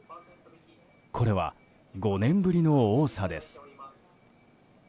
これは５年ぶりの多さです。